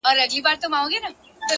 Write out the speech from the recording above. د ژوند کیفیت له فکره اغېزمنېږي.!